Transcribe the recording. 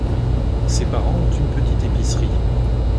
Ses parents ont une petite épicerie.